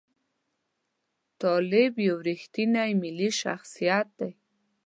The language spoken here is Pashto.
طالب یو ریښتونی ملي شخصیت دی.